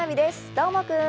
どーもくん！